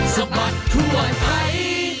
สะบัดทั่วไทย